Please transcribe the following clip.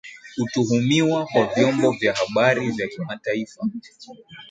kutuhumiwa kuwa vyombo vya habari vya kimataifa